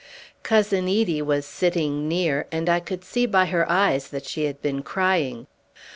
Cousin Edie was sitting near, and I could see by her eyes that she had been crying.